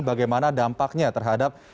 bagaimana dampaknya terhadap